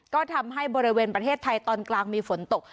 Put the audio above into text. ก็ทำให้บริเวณประเทศไทยตอนกลางมีฝนตก